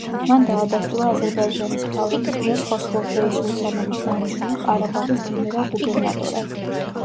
მან დაადასტურა აზერბაიჯანის მთავრობის მიერ ხოსროვ ბეი სულთანოვის დანიშვნა ყარაბაღის გენერალ-გუბერნატორად.